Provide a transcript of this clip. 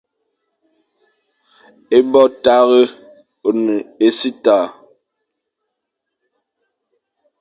E bo tare on ésitar.